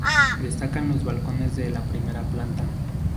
Destacan los balcones de la primera planta.